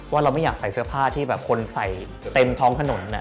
เราไม่อยากใส่เสื้อผ้าที่แบบคนใส่เต็มท้องถนน